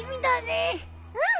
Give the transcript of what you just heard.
うん。